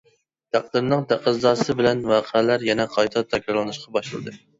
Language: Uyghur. تەقدىرنىڭ تەقەززاسى بىلەن ۋەقەلەر يەنە قايتا تەكرارلىنىشقا باشلىدى.